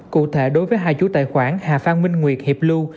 cụ thể đối với hai chú tài khoản hà phan minh nguyệt hiệp lưu